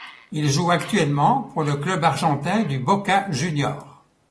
Il joue actuellement pour le club argentin du Boca Juniors.